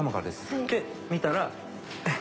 で見たら。